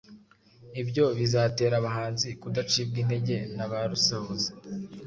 Ibyo bizatera abahanzi kudacibwa intege na ba rusahuzi